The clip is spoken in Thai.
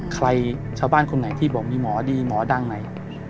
ใครชาวบ้านคนไหนที่บอกมีหมอดีหมอดังไหน